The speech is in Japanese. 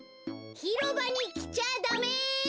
ひろばにきちゃダメ！